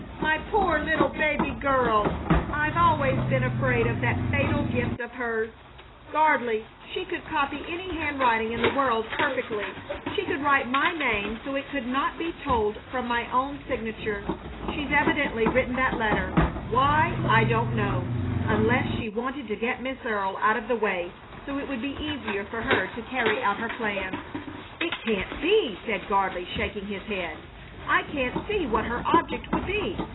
"My poor little baby girl! I've always been afraid of that fatal gift of hers. Gardley, she could copy any handwriting in the world perfectly. She could write my name so it could not be told from my own signature. She's evidently written that letter. Why, I don't know, unless she wanted to get Miss Earle out of the way so it would be easier for her to carry out her plans." "It can't be!" said Gardley, shaking his head. "I can't see what her object would be.